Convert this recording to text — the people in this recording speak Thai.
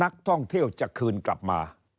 นักท่องเที่ยวจะคืนกลับมา